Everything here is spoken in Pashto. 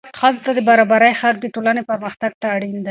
ښځو ته د برابرۍ حق د ټولنې پرمختګ ته اړین دی.